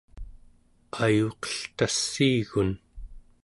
ayuqeltassiigun